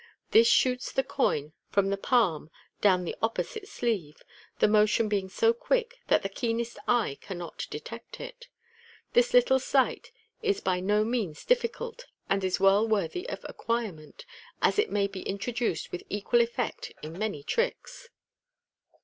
This shoots the coin from the palm down the opposite sleeve, the motion being so quick that the keenest eye cannot detect it. This little sleight is by no means difficult, and is well worthy of acquirement, as it may b* introduced with equal effect in many tricks.